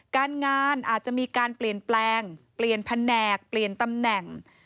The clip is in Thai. การงานอาจจะมีการเปลี่ยนแปลงเปลี่ยนแผนกเปลี่ยนตำแหน่ง